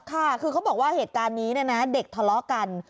ค่ะคือเขาบอกว่าเหตุการณ์นี้เนี่ยนะเด็กทะเลาะกัน